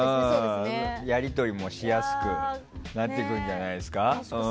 やり取りもしやすくなってくるんじゃないですか。